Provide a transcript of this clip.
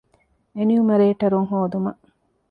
އެނިއުމަރޭޓަރުން ހޯދުމަށް